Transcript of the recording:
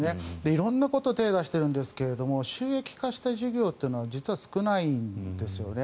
色んなところに手を出しているんですが収益化した事業は実は少ないんですよね。